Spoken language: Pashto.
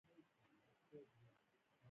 کمپیوټر او انټرنیټ هم په زده کړه کې مرسته کوي.